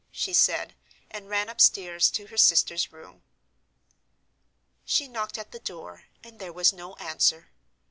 she said—and ran upstairs to her sister's room. She knocked at the door, and there was no answer.